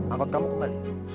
angkot kamu kembali